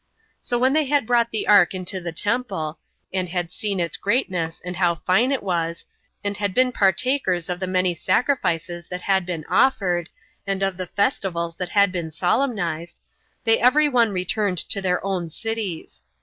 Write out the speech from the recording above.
So when they had brought the ark into the temple, and had seen its greatness, and how fine it was, and had been partakers of the many sacrifices that had been offered, and of the festivals that had been solemnized, they every one returned to their own cities.